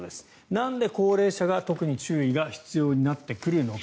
なんで高齢者が特に注意が必要になってくるのか。